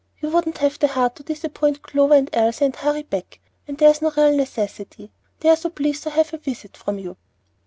You wouldn't have the heart to disappoint Clover and Elsie and hurry back, when there's no real necessity. They are so pleased to have a visit from you."